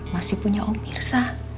masih punya om irsa